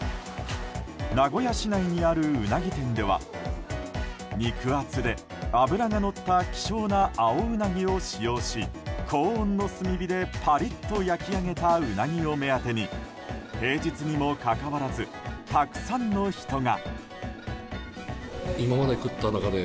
名古屋市内にあるウナギ店では肉厚で脂がのった希少な青うなぎを使用し高温の炭火でパリッと焼き上げたウナギを目当てに平日にもかかわらずたくさんの人が。